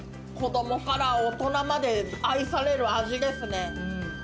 子供から大人まで愛される味ですね。